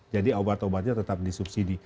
jadi obat obatnya tetap disubsidi